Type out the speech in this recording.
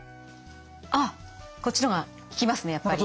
あっこっちの方が効きますねやっぱり。